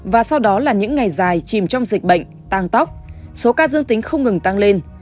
và sau đó là những ngày dài chìm trong dịch bệnh tăng tóc số ca dương tính không ngừng tăng lên